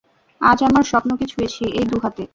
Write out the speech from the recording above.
আজ আমার স্বপ্ন কে ছুয়েছি, এই দু হাতে।